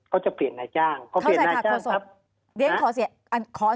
ก็จะเปลี่ยนนายจ้างเขาเปลี่ยนนายจ้างครับ